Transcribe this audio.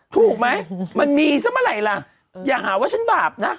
ถูกไหมมันมีซะเมื่อไหร่ล่ะอย่าหาว่าฉันบาปนะ